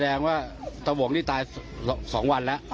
แสดงว่าตะหวงนี่ตาย๒วันแล้ว